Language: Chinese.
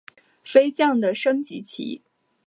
飞将的升级棋。